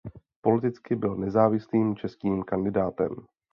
Politicky byl nezávislým českým kandidátem.